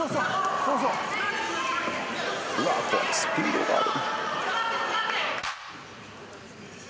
うわ怖っスピードがある。